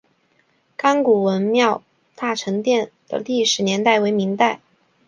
甘谷文庙大成殿的历史年代为明代。